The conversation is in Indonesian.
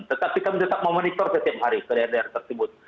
tetapi kami tetap memonitor setiap hari ke daerah daerah tersebut